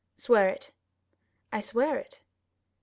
"Swear it." "I swear it."